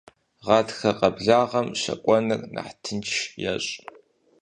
Гъатхэ къэблагъэм щэкӀуэныр нэхъ тынш ещӀ.